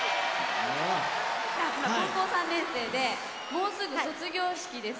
今、高校３年生でもうすぐ卒業式です。